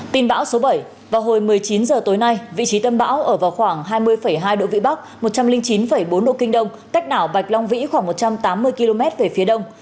tin bão số bảy vào hồi một mươi chín h tối nay vị trí tâm bão ở vào khoảng hai mươi hai độ vĩ bắc một trăm linh chín bốn độ kinh đông cách đảo bạch long vĩ khoảng một trăm tám mươi km về phía đông